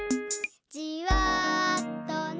「じわとね」